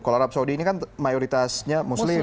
kalau arab saudi ini kan mayoritasnya muslim